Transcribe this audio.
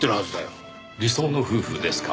理想の夫婦ですか。